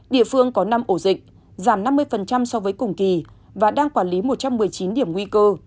địa phương có năm ổ dịch giảm năm mươi so với cùng kỳ và đang quản lý một trăm một mươi chín điểm nguy cơ